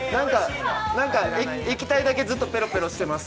なんか液体だけずっとペロペロしてます。